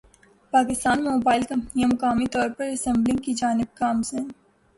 پاکستان میں موبائل کمپنیاں مقامی طور پر اسمبلنگ کی جانب گامزن